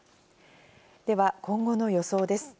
では今後の予想です。